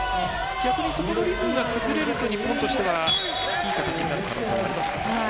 逆にそこのリズムが崩れると、日本としてはいい形になる可能性ありますかね。